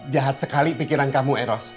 jahat sekali pikiran kamu eros